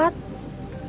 terima kasih kang koswara